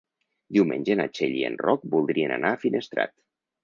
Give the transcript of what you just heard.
Diumenge na Txell i en Roc voldrien anar a Finestrat.